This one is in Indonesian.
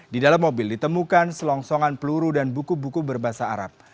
di dalam mobil ditemukan selongsongan peluru dan buku buku berbahasa arab